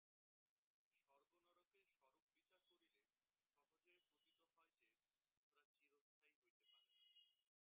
স্বর্গ-নরকের স্বরূপ বিচার করিলে সহজেই প্রতীত হয় যে, উহারা চিরস্থায়ী হইতে পারে না।